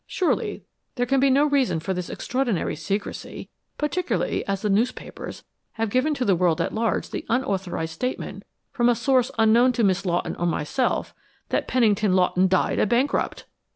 Surely, there can be no reason for this extraordinary secrecy, particularly as the newspapers had given to the world at large the unauthorized statement, from a source unknown to Miss Lawton or myself, that Pennington Lawton died a bankrupt!"